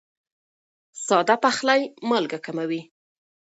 ساده پخلی مالګه کموي.